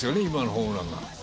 今のホームランが。